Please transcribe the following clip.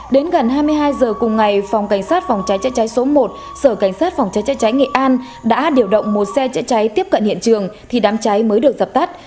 đến gần hai mươi hai giờ cùng ngày phòng cảnh sát phòng cháy chữa cháy số một sở cảnh sát phòng cháy cháy nghệ an đã điều động một xe chữa cháy tiếp cận hiện trường thì đám cháy mới được dập tắt